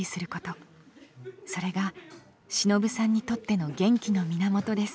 それがしのぶさんにとっての元気の源です。